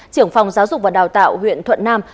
trưởng phòng giáo dục và đào tạo huyện thuận nam